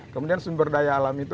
kemudian sumber daya alam itu